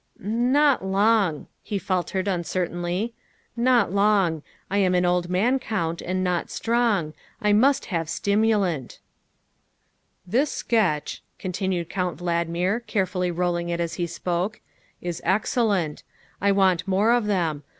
'' Not long, '' he faltered uncertainly, '' not long. I 'm an old man, Count, and not strong. I must have stimulant. ''" This sketch," continued Count Valdmir, carefully rolling it as he spoke, " is excellent. I want more of them.